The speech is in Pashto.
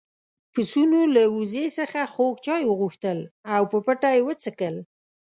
پسونو له وزې څخه خوږ چای وغوښتل او په پټه يې وڅښل.